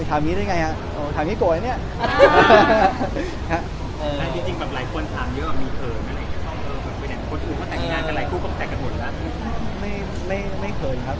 ถามคนนี้ก็ว่าอะไรครับ